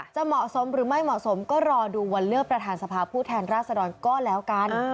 จะเหมาะสมหรือไม่เหมาะสมก็รอดูวันเลือกประธานสภาพผู้แทนราษฎรก็แล้วกัน